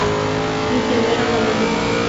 Misionero dominico.